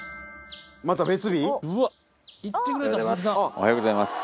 おはようございます。